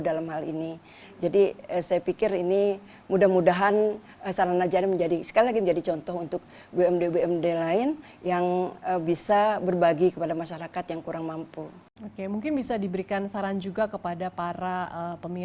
dan bersama kami indonesia forward masih akan kembali sesaat lagi